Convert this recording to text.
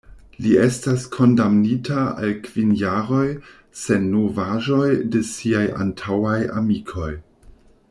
Li estas kondamnita al kvin jaroj, sen novaĵoj de siaj antaŭaj amikoj.